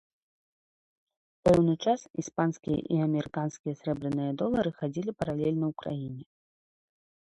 Пэўны час іспанскія і амерыканскія срэбраныя долары хадзілі паралельна ў краіне.